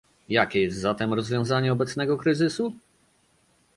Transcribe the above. Jakie jest zatem rozwiązanie obecnego kryzysu?